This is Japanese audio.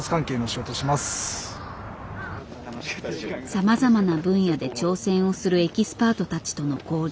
さまざまな分野で挑戦をするエキスパートたちとの交流。